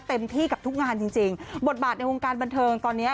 เต็มที่กับทุกงานจริงจริงบทบาทในวงการบันเทิงตอนเนี้ย